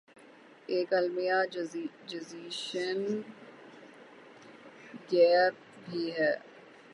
ایک المیہ generation gap بھی ہے